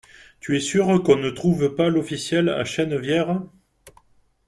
Tu es sûre qu'on ne trouve pas l'Officiel à Chennevières ?